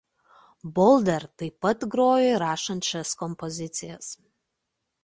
Bolder taip pat grojo įrašant šias kompozicijas.